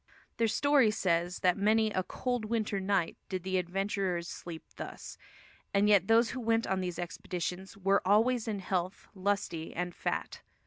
Their story says that many "a cold winter night" did the adventurers sleep thus; and yet those who went on these expeditions "were always in health, lusty and fat."